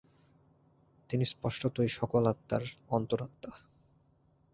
তিনি স্পষ্টতই সকল আত্মার অন্তরাত্মা।